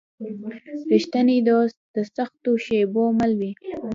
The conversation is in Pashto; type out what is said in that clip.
رښتینی دوست د سختو شېبو مل وي.